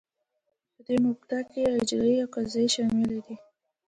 په دې کې مقننه او اجراییه او قضاییه شاملې دي.